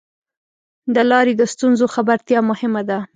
د لارې د ستونزو خبرتیا مهمه ده.